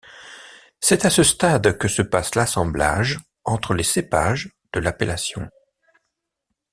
C'est à ce stade que se passe l'assemblage entre les cépages de l'appellation.